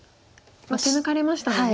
手抜かれましたもんね。